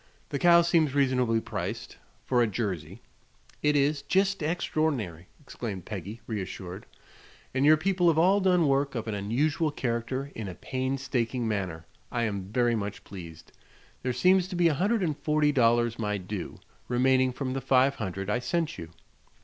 The cow seems reasonably priced, for a Jersey." "It is. Jest extror'nary!" exclaimed Peggy, reassured. "And your people have all done work of an unusual character in a painstaking manner. I am very much pleased. There seems to be a hundred and forty dollars my due, remaining from the five hundred I sent you."